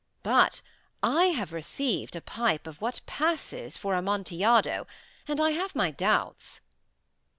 But I have received a pipe of what passes for Amontillado, and I have my doubts."